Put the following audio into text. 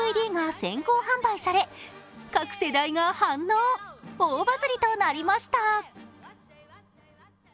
ＤＶＤが先行販売され各世代が反応、大バズりとなりました。